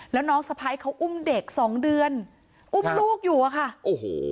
แล้วน้องสะพ้ายเขาอุ้มเด็กสองเดือนอุ้มลูกอยู่อะค่ะโอ้โห